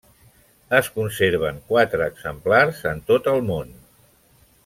Es conserven quatre exemplars en tot el món.